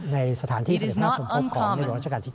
ในสถานที่เสด็จมหาวิทยาลัยสมพบของในรัฐราชกาลที่๙